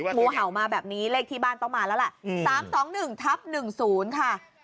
งูเห่ามาแบบนี้เลขที่บ้านต้องมาแล้วแหละ๓๒๑ทับ๑๐ค่ะ